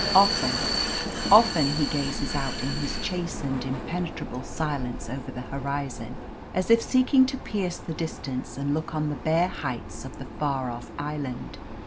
Often, often he gazes out in his chastened, impenetrable silence over the horizon, as if seeking to pierce the distance and look on the bare heights of the far off island.